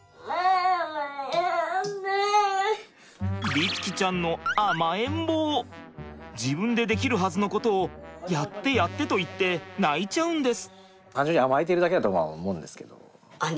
律貴ちゃんの自分でできるはずのことを「やってやって」と言って泣いちゃうんです。